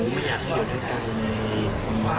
คงไม่อยากให้ลูกสาวมาอยู่ด้วย